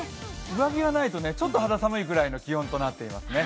上着はないと、ちょっと肌寒いくらいの気温になっていますね。